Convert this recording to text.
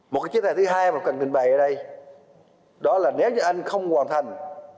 một cái chế tài thứ hai mà cần trình bày ở đây đó là nếu như anh không hoàn thành